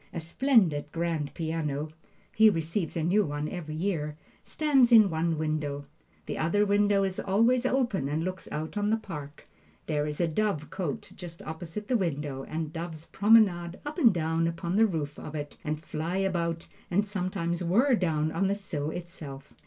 A splendid grand piano (he receives a new one every year,) stands in one window. The other window is always open and looks out on the park. There is a dovecote just opposite the window, and doves promenade up and down upon the roof of it, and fly about, and sometimes whirr down on the sill itself.